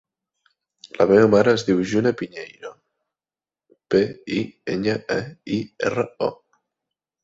La meva mare es diu Juna Piñeiro: pe, i, enya, e, i, erra, o.